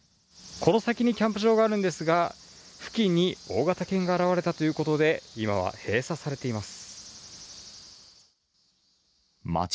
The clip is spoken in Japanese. この先にキャンプ場があるんですが、付近に大型犬が現れたということで、今は閉鎖されています。